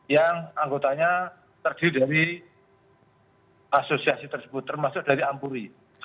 yang anggotanya terdiri dari asosiasi tersebut termasuk dari ampuri